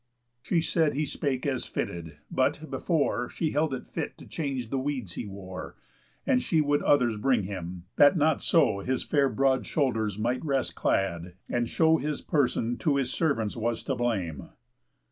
She said he spake as fitted; but, before, She held it fit to change the weeds he wore, And she would others bring him, that not so His fair broad shoulders might rest clad, and show His person to his servants was to blame.